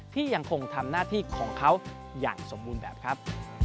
ที่ยังคงทำหน้าที่ของเขาอย่างสมบูรณ์แบบครับ